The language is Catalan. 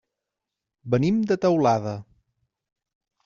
Venim de Teulada.